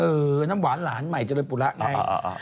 น้ำหวานหลานใหม่เจริญปุระไง